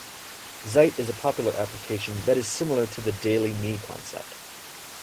Zite is a popular application that is similar to the Daily Me concept.